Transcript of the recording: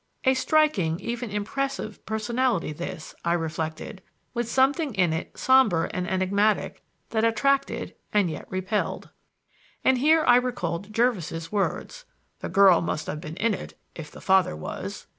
A striking, even impressive, personality this, I reflected, with something in it somber and enigmatic that attracted and yet repelled. And here I recalled Jervis's words: "The girl must have been in it if the father was."